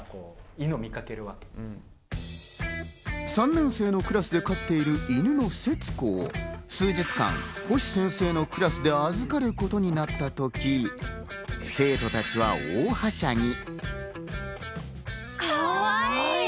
３年生のクラスで飼っている犬のセツコを数日間、星先生のクラスで預かることになったとき、生徒たちは大はしゃぎ。